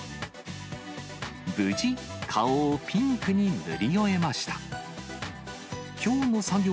無事、顔をピンクに塗り終えました。